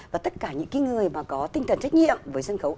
và tất cả những người có tinh thần trách nhiệm với sân khấu